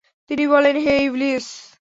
তিনি বললেন, হে ইবলীস!